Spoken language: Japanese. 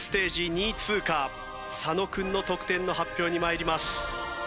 ２位通過佐野君の得点の発表に参ります。